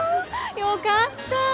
よかった。